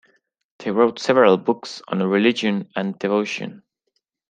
They wrote several books on religion and devotion.